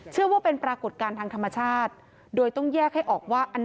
ว่าเป็นปรากฏการณ์ทางธรรมชาติโดยต้องแยกให้ออกว่า